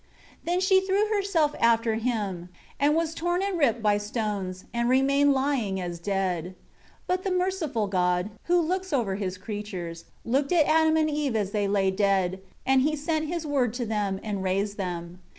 7 Then she threw herself after him; and was torn and ripped by stones; and remained lying as dead. 8 But the merciful God, who looks over His creatures, looked at Adam and Eve as they lay dead, and He sent His Word to them, and raised them.